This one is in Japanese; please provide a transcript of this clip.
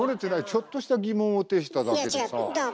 ちょっとした疑問を呈しただけでさあ。